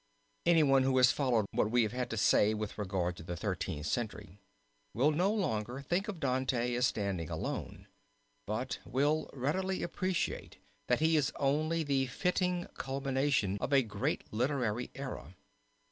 Anyone who has followed what we have had to say with regard to the Thirteenth Century will no longer think of Dante as standing alone, but will readily appreciate that he is only the fitting culmination of a great literary era.